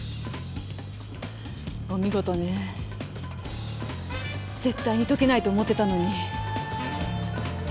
お見事ねぜっ対にとけないと思ってたのに。